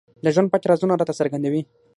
د ژوند پټ رازونه راته څرګندوي.